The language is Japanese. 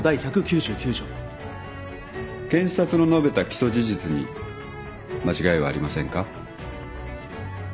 検察の述べた起訴事実に間違いはありませんか。